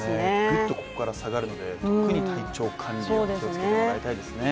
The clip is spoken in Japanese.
ぐっとここから下がるので、特に体調管理、気をつけてもらいたいですね。